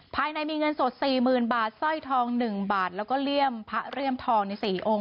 ภายในมีเงินสด๔๐๐๐บาทสร้อยทอง๑บาทแล้วก็เลี่ยมพระเลี่ยมทองใน๔องค์